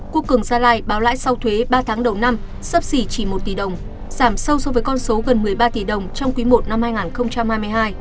cua cường gia lai báo lãi sau thuế ba tháng đầu năm sấp xỉ chỉ một tỷ đồng giảm sâu so với con số gần một mươi ba tỷ đồng trong quý i năm hai nghìn hai mươi hai